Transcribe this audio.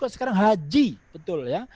sekarang haji betul ya